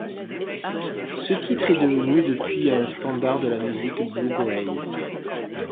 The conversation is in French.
Ce titre est devenu depuis un standard de la musique bluegrass.